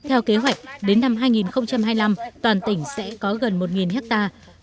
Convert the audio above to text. theo kế hoạch đến năm hai nghìn hai mươi năm toàn tỉnh sẽ có gần một hectare